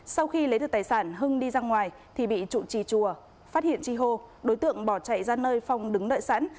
sau khi lấy được tài sản hưng đi ra ngoài thì bị trụ trì chùa phát hiện chi hô đối tượng bỏ chạy ra nơi phong đứng đợi sẵn